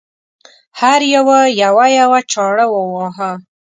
هر یوه یوه یوه چاړه وواهه.